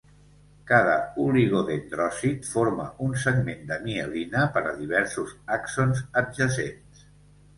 Cada oligodendròcit forma un segment de mielina per a diversos axons adjacents.